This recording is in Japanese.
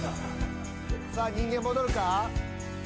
さあ人間戻るか？